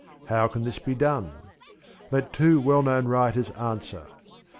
How can this be done? Let two well known writers answer.